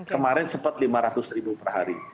kemarin sempat lima ratus ribu per hari